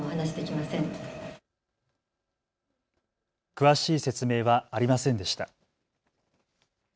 詳しい説明はありませんでした。